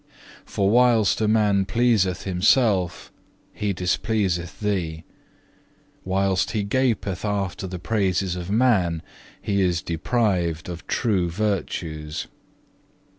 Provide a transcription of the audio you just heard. For whilst a man pleaseth himself he displeaseth Thee; whilst he gapeth after the praises of man, he is deprived of true virtues.